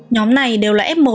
nhóm này đều là f một